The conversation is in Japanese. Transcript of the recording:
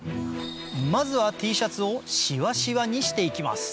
まずはＴシャツをシワシワにして行きます